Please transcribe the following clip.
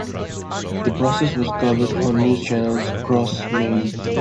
The process was covered on news channels across Maine.